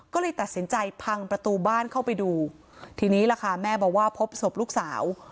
ก็เลยตัดสินใจพังประตูบ้านเข้าไปดูทีนี้ล่ะค่ะแม่บอกว่าพบศพลูกสาว